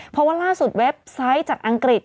เพราะว่าล่าสุดเว็บไซต์จากอังกฤษ